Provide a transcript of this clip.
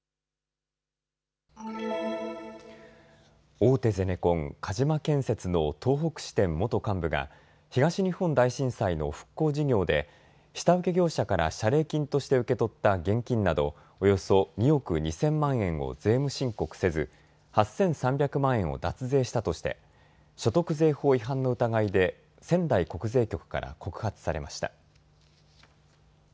大手ゼネコン、鹿島建設の東北支店元幹部が東日本大震災の復興事業で下請け業者から謝礼金として受け取った現金などおよそ２億２０００万円を税務申告せず、８３００万円を脱税したとして所得税法違反の疑いで仙台国税局から告発されました。